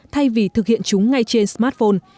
thay vì thực hiện chúng ngay trên smartphone